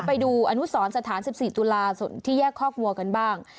ไปดูอนุสรสถาน๑๔ตุลาส่วนที่แยกคอกวัวกันบ้าง